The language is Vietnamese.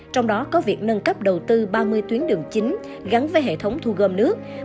trong đó có việc nâng cấp đầu tư ba mươi tuyến đường chính gắn với hệ thống thu gom nước